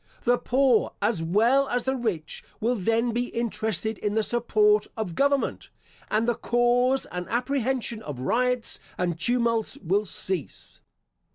The poor, as well as the rich, will then be interested in the support of government, and the cause and apprehension of riots and tumults will cease.